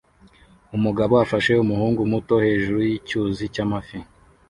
Umugabo afashe umuhungu muto hejuru yicyuzi cyamazi